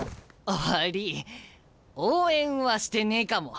悪い応援はしてねえかも。